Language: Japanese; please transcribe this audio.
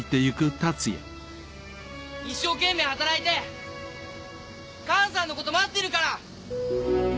一生懸命働いて母さんのこと待ってるから！